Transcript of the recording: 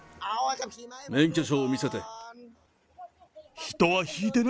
免許証を見せて。